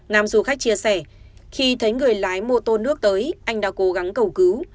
nam du khách chia sẻ khi thấy người lái mô tô nước tới anh đã cố gắng cầu cứu